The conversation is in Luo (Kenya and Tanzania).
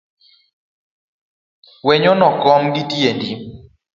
Wenyono kom gitiendi